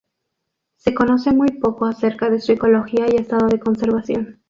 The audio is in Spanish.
Se conoce muy poco acerca de su ecología y estado de conservación.